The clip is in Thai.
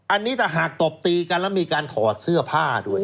อันนี้ถ้าหากตบตีกันแล้วมีการถอดเสื้อผ้าด้วย